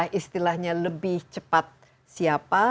istilahnya lebih cepat siapa